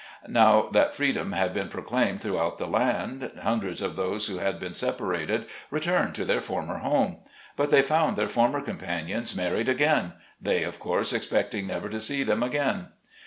Now that freedom had been proclaimed through out the land, hundreds of those who had been sep arated returned to their former home. But they found their former companions married again — they of course expecting never to see them again.